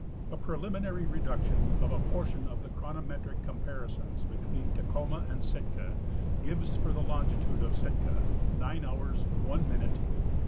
A preliminary reduction of a portion of the chronometric comparisons between Tacoma and Sitl^a gives for the longitude of Sitka 9 hours 1 minute 20.